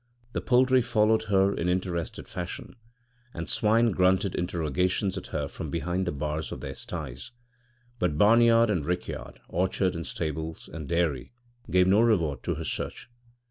The poultry followed her in interested fashion, and swine grunted interrogations at her from behind the bars of their styes, but barnyard and rickyard, orchard and stables and dairy, gave no reward to her search.